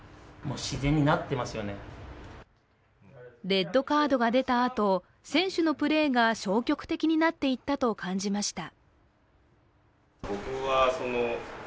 レッドカードが出たあと選手のプレーが消極的になっていったと感じました。